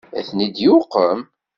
Ad ten-id-yuqem?